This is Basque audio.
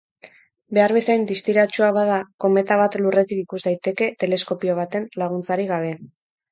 Behar bezain distiratsua bada, kometa bat Lurretik ikus daiteke teleskopio baten laguntzarik gabe.